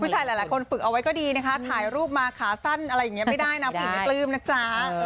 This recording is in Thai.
หลายคนฝึกเอาไว้ก็ดีนะคะถ่ายรูปมาขาสั้นอะไรอย่างนี้ไม่ได้นะผู้หญิงไม่ปลื้มนะจ๊ะ